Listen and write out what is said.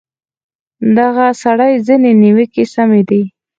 د دغه سړي ځینې نیوکې سمې دي.